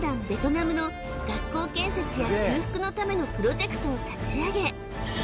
ベトナムの学校建設や修復のためのプロジェクトを立ち上げ